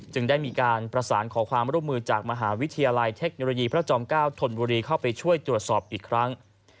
ได้มีการประสานขอความร่วมมือจากมหาวิทยาลัยเทคโนโลยีพระจอม๙ธนบุรีเข้าไปช่วยตรวจสอบอีกครั้ง